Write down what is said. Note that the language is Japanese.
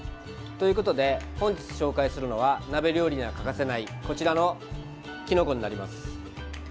ということで本日は紹介するのは鍋には欠かせないきのこになります。